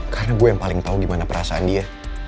karena gue yang paling tau gimana perasaan dia